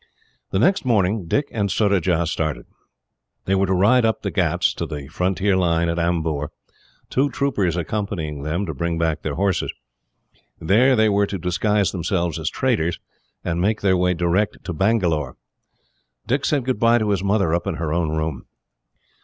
The next morning, Dick and Surajah started. They were to ride up the ghauts, to the frontier line at Amboor, two troopers accompanying them to bring back their horses. There they were to disguise themselves as traders, and make their way direct to Bangalore. Dick said goodbye to his mother, up in her own room.